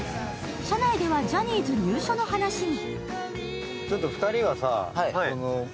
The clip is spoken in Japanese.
車内ではジャニーズ入所の話に。